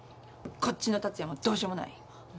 こっちの達也もどうしようもない。